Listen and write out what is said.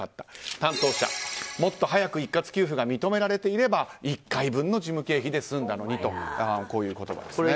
担当者、もっと早く一括給付が認められていれば１回分の事務経費で済んだのにという言葉ですね。